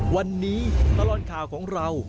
วันนี้ตลอดข่าวของเรา